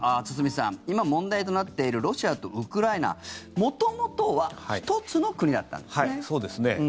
堤さん、今、問題となっているロシアとウクライナ元々は１つの国だったんですね。